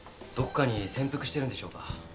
どこかに潜伏してるんでしょうか？